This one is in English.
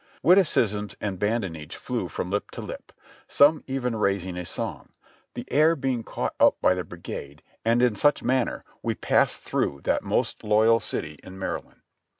Witticisms and badinage flew from lip to lip, some even raising a song, the air being caught up by the brigade, and in such manner we passed through that most loyal city in Maryland.